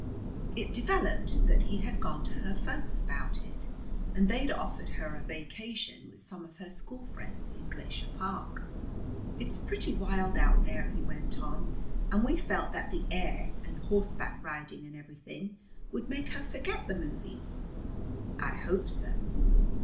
It developed that he had gone to her folks about it, and they'd offered her a vacation with some of her school friends in Glacier Park. "It's pretty wild out there," he went on, "and we felt that the air, and horseback riding and everything, would make her forget the movies. I hope so.